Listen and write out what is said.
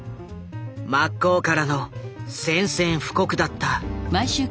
真っ向からの宣戦布告だった。